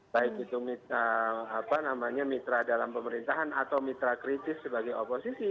baik itu mitra dalam pemerintahan atau mitra kritis sebagai oposisi